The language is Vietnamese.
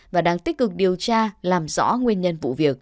và đang tích cực điều tra làm rõ nguyên nhân